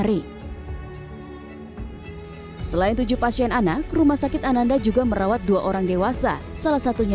dia dirawat bersama dua siswa sd lainnya